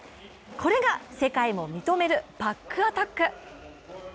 これが世界も認めるバックアタック。